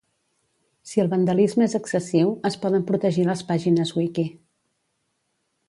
Si el vandalisme és excessiu, es poden protegir les pàgines wiki